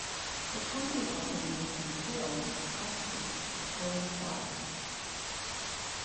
The company also maintains sales offices worldwide.